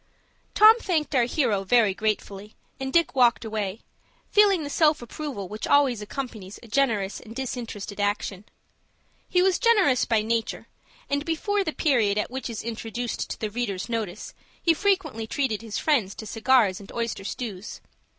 Tom thanked our hero very gratefully, and Dick walked away, feeling the self approval which always accompanies a generous and disinterested action. He was generous by nature, and, before the period at which he is introduced to the reader's notice, he frequently treated his friends to cigars and oyster stews.